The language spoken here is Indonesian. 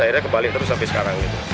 akhirnya kebalik terus sampai sekarang